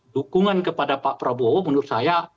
dukungan kepada pak prabowo menurut saya